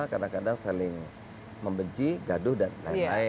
kadang kadang saling membenci gaduh dan lain lain